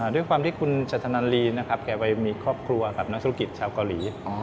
ด้วยความที่คุณชัชนาลีนะครับแกไปมีครอบครัวกับนักธุรกิจชาวเกาหลี